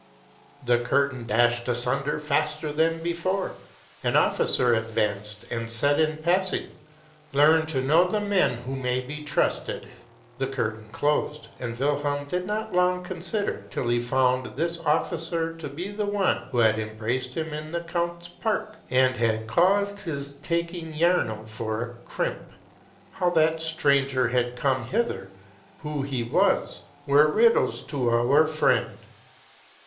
" The curtain dashed asunder faster than before : an officer advanced, and said in passing, " Learn to know the men who may be trusted!" The curtain closed; and Wilhelm did not long consider, till he found this officer to be the one who had embraced him in the count's park, and had caused his taking Jarno for a crimp. How that stranger had come hither, who he was, were riddles to our friend.